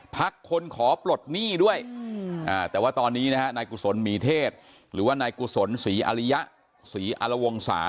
พักคนขอปลดหนี้ด้วยแต่ว่าตอนนี้นะครับนายกุศลมีเทศหรือว่านายกุศลศรีอาริยะ